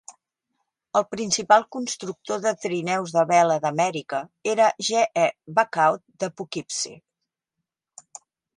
El principal constructor de trineus de vela d'Amèrica era G. E. Buckhout de Poughkeepsie.